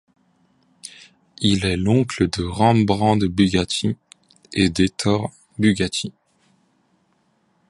Il est l'oncle de Rembrandt Bugatti et d'Ettore Bugatti.